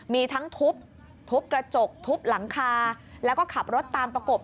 มีทั้งทุบทุบกระจกทุบหลังคาแล้วก็ขับรถตามประกบ